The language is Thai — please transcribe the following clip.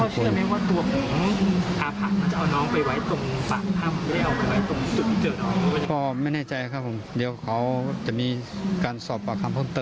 พ่อเชื่อไหมว่าตัวของอภัทร